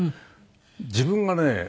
自分がね